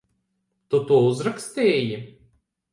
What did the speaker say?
Tu to uzrakstīji?